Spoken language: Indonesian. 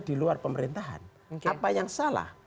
diluar pemerintahan apa yang salah